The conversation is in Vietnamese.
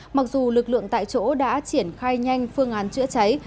mặc dù lực lượng tại chỗ đã triển khai nhanh phương án chữa cháy